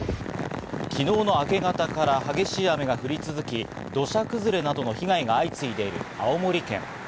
昨日の明け方から激しい雨が降り続き、土砂崩れなどの被害が相次いでいる青森県。